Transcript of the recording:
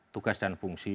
tugas dan fungsi